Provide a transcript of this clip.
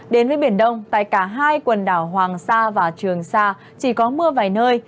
đến với biển đông tại cả hai quần đảo hoàng sa và trường sa chỉ có mưa vài nơi